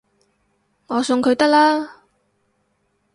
我送佢得喇